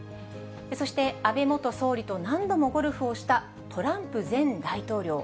そして安倍元総理と何度もゴルフをしたトランプ前大統領。